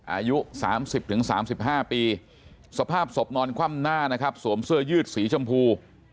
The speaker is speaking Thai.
อายุ๓๐๓๕ปีสภาพศพนอนคว่ำหน้านะครับสวมเสื้อยืดสีชมพู